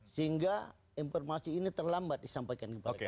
sehingga informasi ini terlambat disampaikan kepada kami